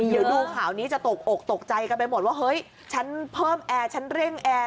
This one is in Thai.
เดี๋ยวดูข่าวนี้จะตกอกตกใจกันไปหมดว่าเฮ้ยฉันเพิ่มแอร์ฉันเร่งแอร์